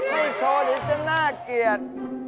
นี่โชว์หรือจะน่าเกลียด